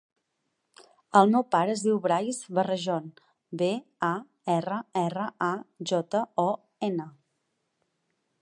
El meu pare es diu Brais Barrajon: be, a, erra, erra, a, jota, o, ena.